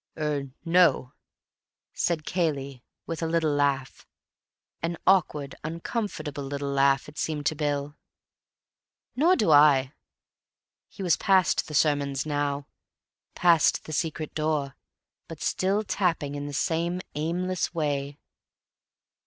"Er—no," said Cayley, with a little laugh. An awkward, uncomfortable little laugh, it seemed to Bill. "Nor do I." He was past the sermons now—past the secret door—but still tapping in the same aimless way.